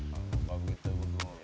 nggak begitu betul